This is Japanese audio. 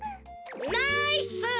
ナイス！